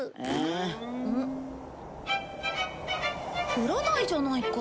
降らないじゃないか。